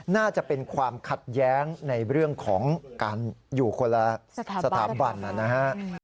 น่าจะเป็นความขัดแย้งในเรื่องของการอยู่คนละสถาบันนะฮะ